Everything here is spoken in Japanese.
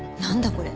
これ。